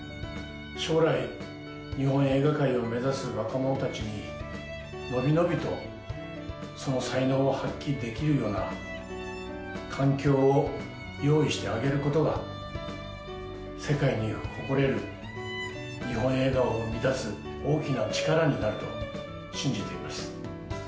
将来、日本映画界を目指す若者たちに、伸び伸びとその才能を発揮できるような環境を用意してあげることが、世界に誇れる日本映画を満たす大きな力になると信じています。